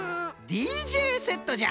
ＤＪセットじゃ！